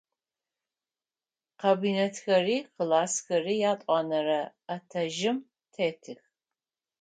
Кабинетхэри классхэри ятӏонэрэ этажым тетых.